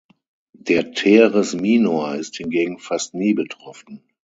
Der Teres minor ist hingegen fast nie betroffen.